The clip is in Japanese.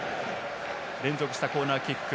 連続したコーナーキック。